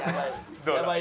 やばい。